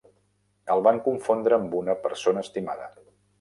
El van confondre amb una persona estimada.